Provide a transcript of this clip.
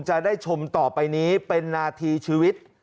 จะได้ชมต่อไปนี้เป็นนาทีชีวิต